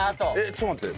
ちょっと待って。